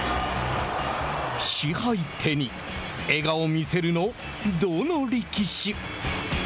賜杯手に笑顔見せるのどの力士？